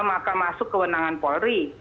maka masuk kewenangan polri